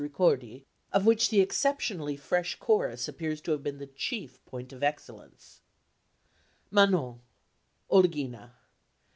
Ricordi, of which the exceptionally fresh chorus appears to have been the chief point of excellence: Manon OLGHINA.